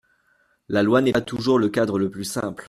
La loi n’est pas toujours le cadre le plus simple.